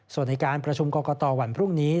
ส่วนในการประชุมกรกตวันพรุ่งนี้